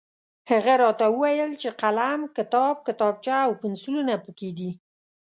هغه راته وویل چې قلم، کتاب، کتابچه او پنسلونه پکې دي.